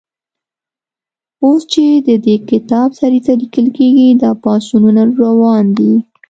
اوس چې د دې کتاب سریزه لیکل کېږي، دا پاڅونونه روان دي.